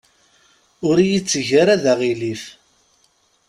Ur iyi-tteg ara d aɣilif.